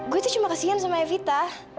gue tuh cuma kasihan sama evita